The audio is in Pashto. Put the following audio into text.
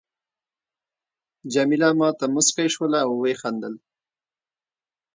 جميله ما ته مسکی شول او وخندل.